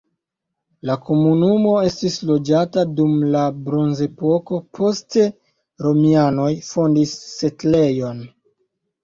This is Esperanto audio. La komunumo estis loĝata dum la bronzepoko, poste romianoj fondis setlejon.